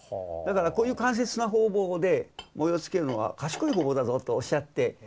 だからこういう間接な方法で模様をつけるのはかしこい方法だぞとおっしゃって。